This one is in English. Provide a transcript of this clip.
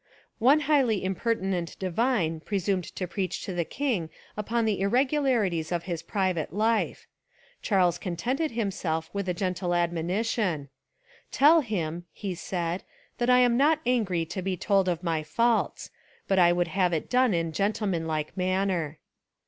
One highly imper tinent divine presumed to preach to the king upon the irregularities of his private life. Charles contented himself with a gentle ad monition: "Tell him," he said, "that I am not angry to be told of my faults; but I would have It done In gentlemanlike manner."